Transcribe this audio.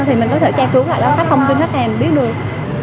thì mình có thể chai cứu lại đó các thông tin khách hàng biết được